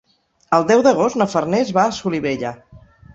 El deu d'agost na Farners va a Solivella.